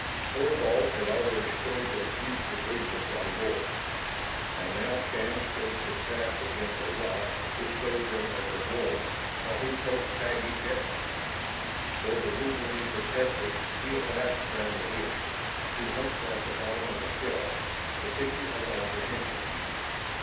Thorvald had already stored their few provisions on board. And now Shann steadied the craft against a rock which served them as a wharf, while he coaxed Taggi gently. Though the wolverine protested, he at last scrambled in, to hunch at the bottom of the shell, the picture of apprehension.